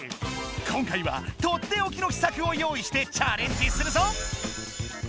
今回はとっておきの秘策を用意してチャレンジするぞ！